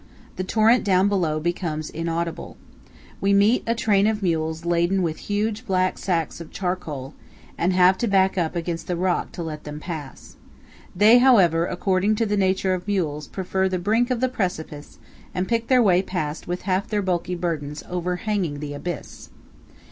The torrent down below becomes inaudible. We meet a train of mules laden with huge black sacks of charcoal, and have to back up against the rock to let them pass. They, however, according to the nature of mules, prefer the brink of the precipice, and pick their way past with half their bulky burdens overhanging the abyss.